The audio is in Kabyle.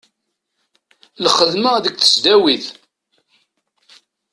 Lxedma deg tesdawit;